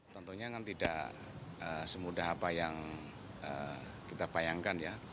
tentunya kan tidak semudah apa yang kita bayangkan ya